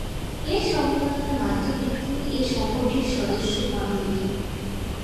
এ সম্মাননার মাধ্যমে তিনি এ সংগঠনটির সদস্য মনোনিত হন।